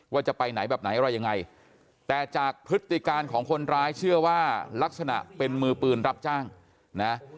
ว่าจะไปไหนแบบไหนอะไรยังไงแต่จากพฤติการของคนร้ายเชื่อว่ารักษณะเป็นมือปืนรับจ้างนะ